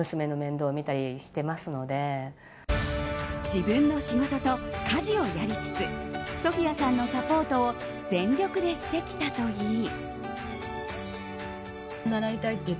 自分の仕事と家事をやりつつソフィアさんのサポートを全力でしてきたといい。